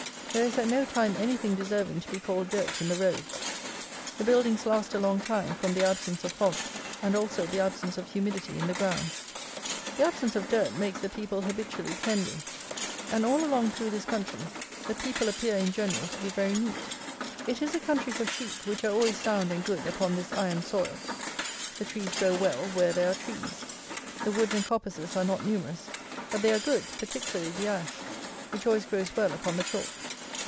There is at no time anything deserving to be called dirt in the roads. The buildings last a long time, from the absence of fogs and also the absence of humidity in the ground. The absence of dirt makes the people habitually cleanly; and all along through this country the people appear in general to be very neat. It is a country for sheep, which are always sound and good upon this iron soil. The trees grow well, where there are trees. The woods and coppices are not numerous; but they are good, particularly the ash, which always grows well upon the chalk.